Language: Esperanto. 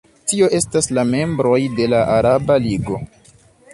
Tio estas la membroj de la Araba Ligo.